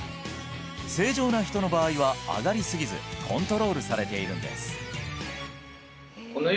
正常な人の場合は上がりすぎずコントロールされているんです